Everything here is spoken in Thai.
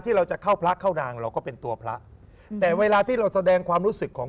แต่เวลาที่เราแสดงความรู้สึกของ